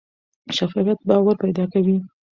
شفافیت باور پیدا کوي